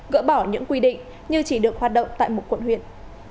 gỡ bỏ những quy định như chỉ được hoạt động tại một quận huyện